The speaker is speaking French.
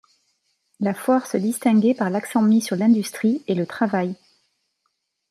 La foire se distinguait par l'accent mis sur l'industrie et le travail.